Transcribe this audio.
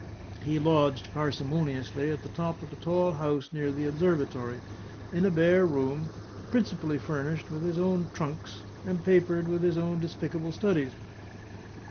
He lodged parsimoniously at the top of a tall house near the Observatory, in a bare room, principally furnished with his own trunks and papered with his own despicable studies.